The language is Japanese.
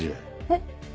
えっ。